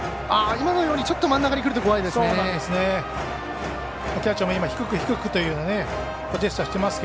今のようにちょっと真ん中にくると怖いですね。